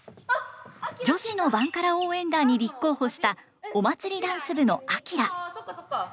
女子のバンカラ応援団に立候補したお祭りダンス部のあきら。